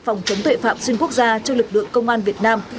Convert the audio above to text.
phòng chống tuệ phạm xuyên quốc gia cho lực lượng công an việt nam